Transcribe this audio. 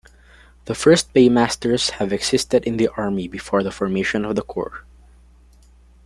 The first "paymasters" have existed in the army before the formation of the corps.